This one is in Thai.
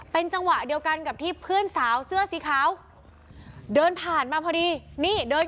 เป็นจังหวะเดียวกันกับที่เพื่อนสาวเสื้อสีขาวเดินผ่านมาพอดีนี่เดิน